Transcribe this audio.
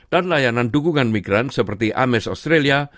dan layanan dukungan migran seperti ames australia